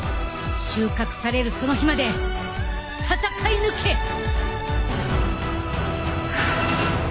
収穫されるその日まで戦い抜け！ハァ。